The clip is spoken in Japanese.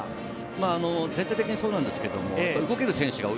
全体的にそうなんですが、動ける選手が多い。